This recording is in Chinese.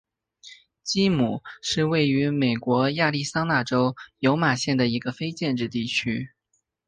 基姆是位于美国亚利桑那州尤马县的一个非建制地区。